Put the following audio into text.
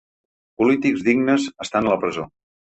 Polítics dignes estan a la presó.